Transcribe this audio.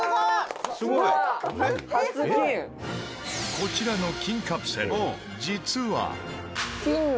こちらの金カプセル実は。